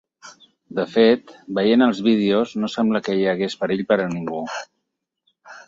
De fet, veient els vídeos no sembla que hi hagués perill per a ningú.